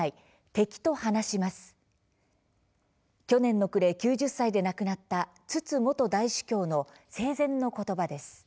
去年の暮れ９０歳で亡くなったツツ元大主教の生前のことばです。